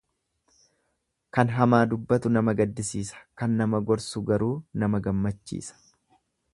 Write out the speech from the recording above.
Kan hamaa dubbatu nama gaddisiisa kan nama gorsu garuu nama gammachiisa.